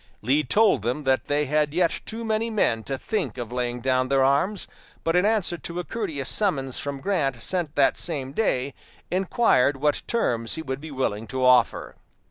Lee told them that they had yet too many men to think of laying down their arms, but in answer to a courteous summons from Grant sent that same day, inquired what terms he would be willing to offer.